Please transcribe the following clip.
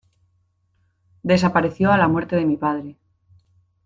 desapareció a la muerte de mi padre.